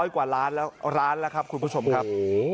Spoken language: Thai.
๓๐๐กว่าร้านละครับคุณผู้ชมครับ